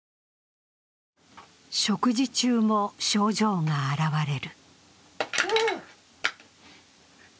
食事中も症状が現れる。